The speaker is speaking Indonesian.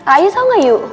ayu tau gak ayu